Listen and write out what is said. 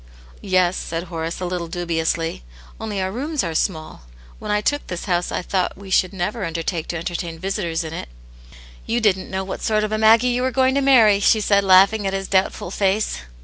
"Yes," said Horace, a little dubiously. '*Only our rooms arc so small. When I took this house, I tlpught we should never undertake to entertain visitors in it." *' You didn't know what sort of a Maggie you were going to marry," she said, laughing at his doubtful face.